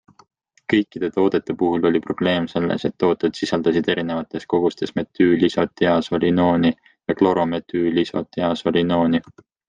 Kõikide toodete puhul oli probleem selles, et tooted sisaldasid erinevates kogustes metüülisotiasolinooni ja klorometüülisotiasolinooni.